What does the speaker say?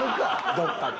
どっかで。